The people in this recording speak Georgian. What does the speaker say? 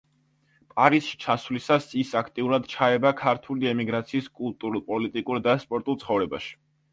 პარიზში ჩასვლისას ის აქტიურად ჩაება ქართული ემიგრაციის კულტურულ, პოლიტიკურ და სპორტულ ცხოვრებაში.